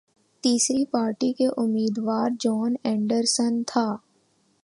تیسری پارٹی کے امیدوار جان اینڈرسن تھا